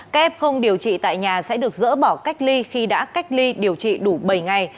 các em không điều trị tại nhà sẽ được dỡ bỏ cách ly khi đã cách ly điều trị đủ bảy ngày